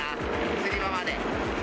釣り場まで。